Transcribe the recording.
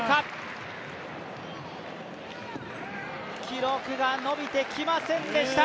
記録が伸びてきませんでした。